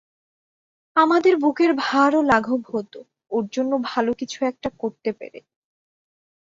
আমাদের বুকের ভারও লাঘব হতো—ওর জন্য ভালো একটা কিছু করতে পেরে।